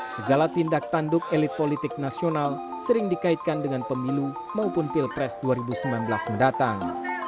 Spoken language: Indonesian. segala tindak tanduk elit politik nasional sering dikaitkan dengan pemilu maupun pilpres dua ribu sembilan belas mendatang